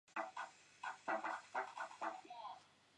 现在比较多的是制作麻将类街机游戏。